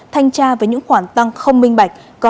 thanh tra với những khoản tăng không minh bạch có dấu hiệu trục lợi